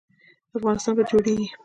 افغانستان به جوړیږي